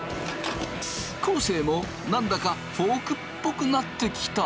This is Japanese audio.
昴生も何だかフォークっぽくなってきた！